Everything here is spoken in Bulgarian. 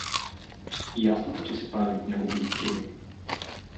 Ясно е, че се прави от някого интрига.